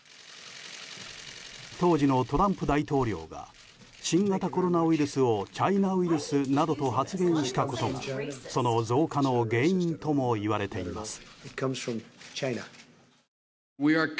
当時のトランプ大統領が新型コロナウイルスをチャイナウイルスなどと発言したことがその増加の原因ともいわれています。